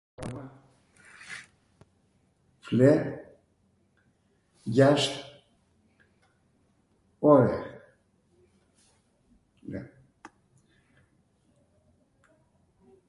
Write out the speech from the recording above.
fle gjasht orw.